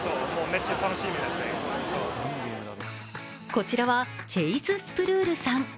こちらはチェイス・スプルールさん。